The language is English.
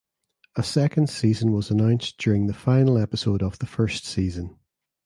A second season was announced during the final episode of the first season.